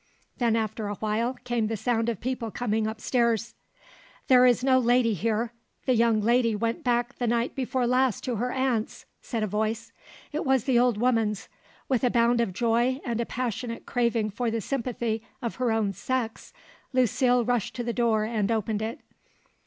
Then after a while came the sound of people coming up stairs. "There is no lady here; the young lady went back the night before last to her aunt's," said a voice. It was the old woman's; with a bound of joy and a passionate craving for the sympathy of her own sex, Lucile rushed to the door and opened it.